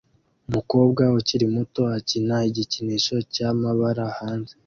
Umukobwa ukiri muto akina igikinisho cyamabara hanze